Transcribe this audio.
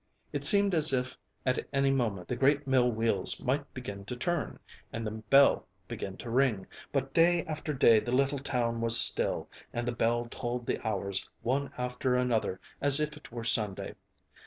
It seemed as if at any moment the great mill wheels might begin to turn, and the bell begin to ring, but day after day the little town was still and the bell tolled the hours one after another as if it were Sunday.